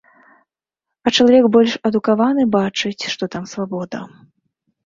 А чалавек больш адукаваны бачыць, што там свабода.